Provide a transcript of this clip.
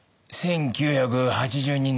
１９８２年。